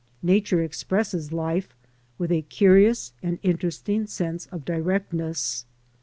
Nature expresses life with a curious and interesting sense of directness.